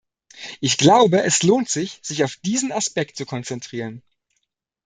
Ich glaube, es lohnt sich, sich auf diesen Aspekt zu konzentrieren.